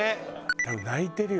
多分泣いてるよ